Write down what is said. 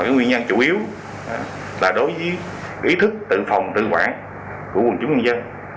nguyên nhân chủ yếu là đối với ý thức tự phòng tự quản của quần chúng nhân dân